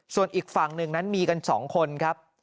ส่วนอีกฝั่งหนึ่งนั้นมีกัน๒คนครับ